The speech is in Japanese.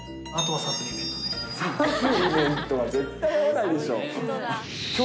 サプリメントは絶対合わないでしょう。